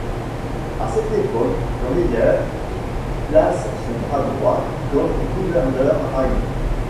À cette époque, Reeder place son bras-droit comme gouverneur a.i.